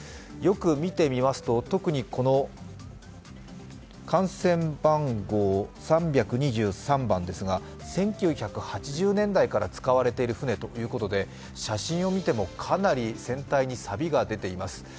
よく見てみますと、特に艦船番号３２３番ですが、１９８０年代から使われている船ということで写真を見てもかなり船体にさびが出ています。